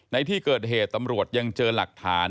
ในที่เกิดเหตุตำรวจยังเจอหลักฐาน